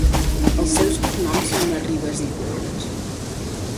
Els seus cognoms són Arribas i Puig?